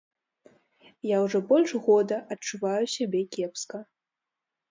Я ўжо больш года адчуваю сябе кепска.